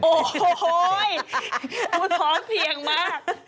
โอ้โหท้องเพียงมาก